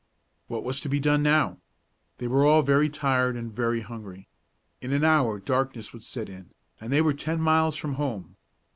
What was to be done now? They were all very tired and very hungry. In an hour darkness would set in, and they were ten miles from home.